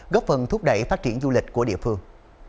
góp phần thúc đẩy phát triển du lịch của địa phương